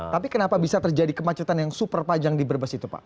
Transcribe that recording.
tapi kenapa bisa terjadi kemacetan yang super panjang di brebes itu pak